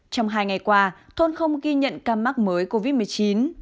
trong hai ngày qua thôn không ghi nhận ca mắc mới covid một mươi chín